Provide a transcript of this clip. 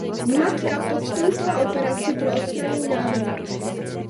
Matka podstoupila operaci pro odstranění nádoru.